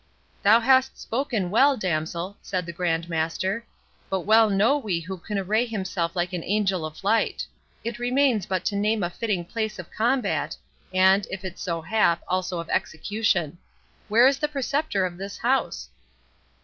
"Thou hast spoken well, damsel," said the Grand Master; "but well know we who can array himself like an angel of light. It remains but to name a fitting place of combat, and, if it so hap, also of execution.—Where is the Preceptor of this house?"